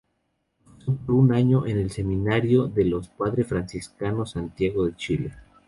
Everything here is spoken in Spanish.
Profeso por un año en el Seminario de los Padre Franciscanos Santiago de Chile.